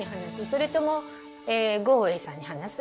それともグオウエさんに話す？